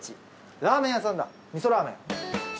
ラーメン屋さんだ味噌ラーメン。